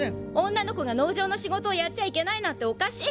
女の子が農場の仕事をやっちゃいけないなんておかしい！